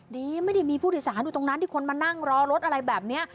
ดีไม่ได้มีผู้โดยสารอยู่ตรงนั้นที่คนมานั่งรอรถอะไรแบบนี้